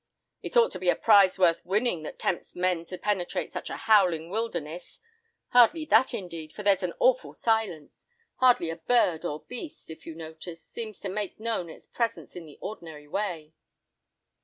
"It ought to be a prize worth winning that tempts men to penetrate such a howling wilderness. Hardly that indeed, for there's an awful silence: hardly a bird or beast, if you notice, seems to make known its presence in the ordinary way."